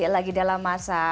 lagi dalam masa